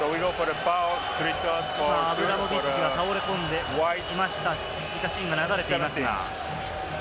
アブラモビッチが倒れ込んでいたシーンが流れています。